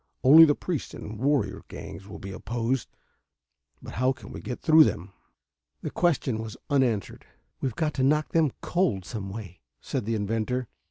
Only the priests and warrior gangs will be opposed. But how can we get through them?" The question was unanswered. "We've got to knock them cold some way," said the inventor.